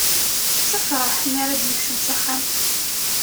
Tettafraḥ mi ara d-yekcem s axxam.